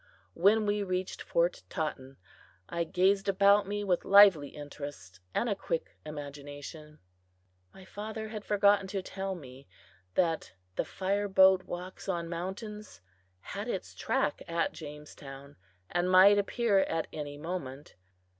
When we reached Fort Totten, I gazed about me with lively interest and a quick imagination. My father had forgotten to tell me that the fire boat walks on mountains had its track at Jamestown, and might appear at any moment.